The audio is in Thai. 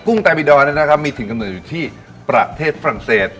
กุ้งแต่มีดอนนะครับมีถึงกำหนดอยู่ที่ประเทศฝรั่งเศส